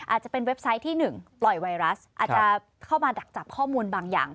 อาจจะเป็นเว็บไซต์ที่๑ปล่อยไวรัสอาจจะเข้ามาดักจับข้อมูลบางอย่าง